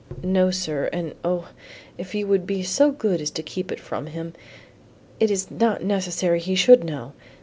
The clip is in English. "No, sir, and O, if you would be so good as to keep it from him. It is not necessary he should know.